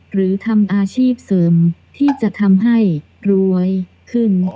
หรือทำอาชีพเสริมที่จะทำให้รวยขึ้น